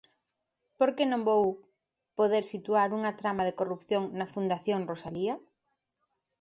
Por que non vou poder situar unha trama de corrupción na Fundación Rosalía?